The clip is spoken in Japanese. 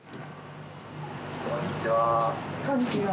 こんにちは。